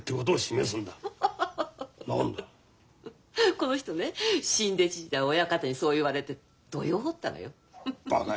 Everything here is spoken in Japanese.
この人ね新弟子時代親方にそう言われて土俵を掘ったのよ。